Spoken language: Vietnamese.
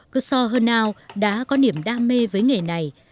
cô so hơn ao đã có niềm đam mê với nghề này